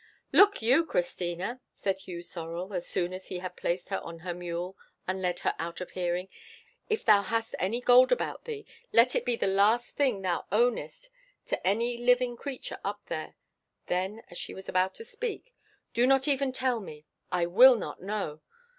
"Look you, Christina," said Hugh Sorel, as soon as he had placed her on her mule, and led her out of hearing, "if thou hast any gold about thee, let it be the last thing thou ownest to any living creature up there." Then, as she was about to speak—"Do not even tell me. I will not know."